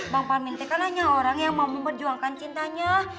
bang parmin itu kan hanya orang yang mau memperjuangkan cintanya